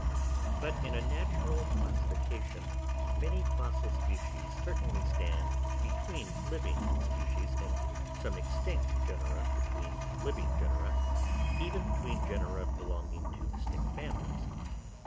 But in a natural classification many fossil species certainly stand between living species, and some extinct genera between living genera, even between genera belonging to distinct families.